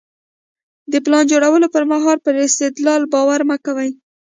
د پلان جوړولو پر مهال پر استدلال باور مه کوئ.